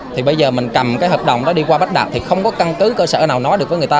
thì bây giờ mình cầm cái hợp đồng đó đi qua bách đạt thì không có căn cứ cơ sở nào nói được với người ta